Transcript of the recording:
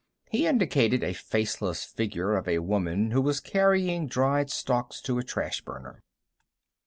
He indicated a faceless figure of a woman who was carrying dried stalks to a trash burner.